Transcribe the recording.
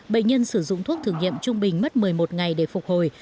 bệnh nhân sử dụng thuốc thử nghiệm trung bình mất một mươi một ngày để phục hồi